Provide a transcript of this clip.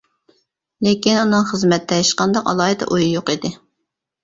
لېكىن ئۇنىڭ خىزمەتتە ھېچقانداق ئالاھىدە ئويى يوق ئىدى.